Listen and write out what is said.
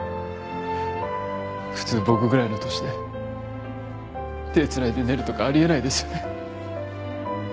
普通僕ぐらいの年で手繋いで寝るとかあり得ないですよね。